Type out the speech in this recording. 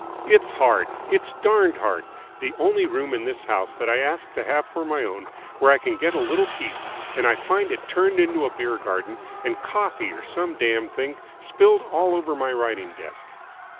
It's hard! It's darned hard! The only room in the house that I ask to have for my own, where I can get a little peace, and I find it turned into a beer garden, and coffee or some damned thing spilled all over my writing desk!"